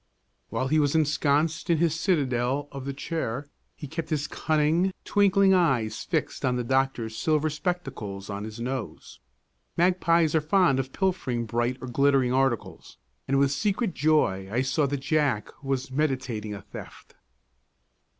While he was ensconced in his citadel of the chair, he kept his cunning, twinkling eyes fixed on the doctor's silver spectacles on his nose. Magpies are fond of pilfering bright or glittering articles, and with secret joy I saw that Jack was meditating a theft.